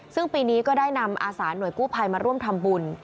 ซึ่งปีนี้ก็ได้นำอาสาหน่วยกู้ภัยมาร่วมทำบุญ